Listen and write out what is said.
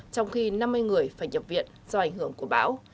trong khi năm mươi người phải nhập viện do ảnh hưởng của bão